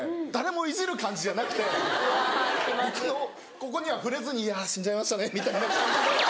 ここには触れずにいや死んじゃいましたねみたいな感じの。